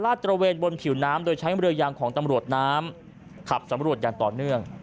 ตระเวนบนผิวน้ำโดยใช้เรือยางของตำรวจน้ำขับสำรวจอย่างต่อเนื่อง